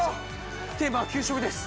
テーマは「給食」です。